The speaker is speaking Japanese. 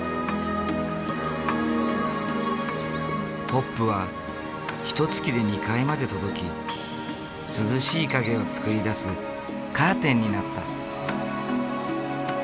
ホップはひとつきで２階まで届き涼しい影を作り出すカーテンになった。